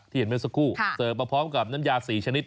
ที่เห็นไหมสักคู่เซิร์ฟพร้อมกับน้ำยา๔ชนิด